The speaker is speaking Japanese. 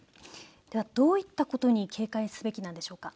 どういったことに警戒すべきなんでしょうか。